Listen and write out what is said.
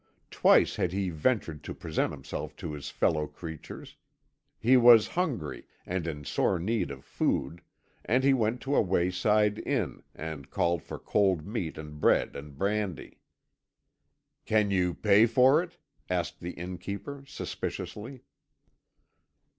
Twice had he ventured to present himself to his fellow creatures. He was hungry, and in sore need of food, and he went to a wayside inn, and called for cold meat and bread and brandy. "Can you pay for it?" asked the innkeeper suspiciously.